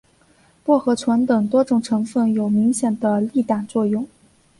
薄荷醇等多种成分有明显的利胆作用。